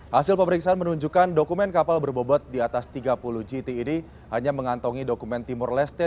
hasil pemeriksaan menunjukkan dokumen kapal berbobot di atas tiga puluh gt ini hanya mengantongi dokumen timur leste